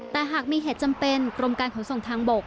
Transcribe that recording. แต่หากมีเหตุจำเป็นกรมการขนส่งทางบก